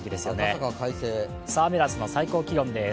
アメダスの最高気温です。